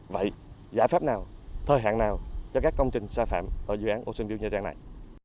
vậy giải pháp nào thời hạn nào cho các công trình sai phạm ở dự án ocean vie nha trang này